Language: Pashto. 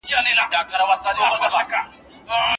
املا د زده کوونکو د سواد په لاره کي یو پیاوړی ملګری دی.